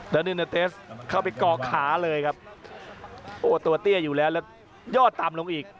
แล้วดินเนอร์เตสเข้าไปก่อขาเลยครับโอ้ตัวเตี้ยอยู่แล้วแล้วยอดต่ำลงอีก